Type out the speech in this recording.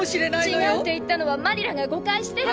違うって言ったのはマリラが誤解してるから。